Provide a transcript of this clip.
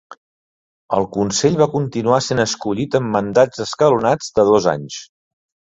El consell va continuar sent escollit en mandats escalonats de dos anys.